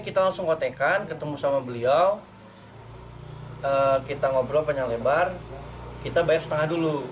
kita langsung kotekan ketemu sama beliau kita ngobrol panjang lebar kita bayar setengah dulu